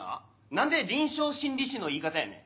何で臨床心理士の言い方やねん。